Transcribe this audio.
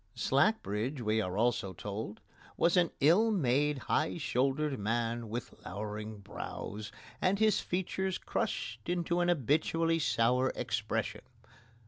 Slackbridge, we are also told, was "an ill made, high shouldered man with lowering brows, and his features crushed into an habitually sour expression."